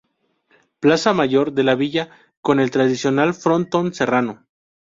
Plaza Mayor de la villa con el tradicional frontón serrano.